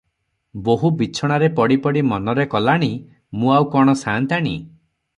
ବୋହୂ ବିଛଣାରେ ପଡ଼ି ପଡ଼ି ମନରେ କଲାଣି, "ମୁଁ ଆଉ କଣ ସାନ୍ତାଣୀ?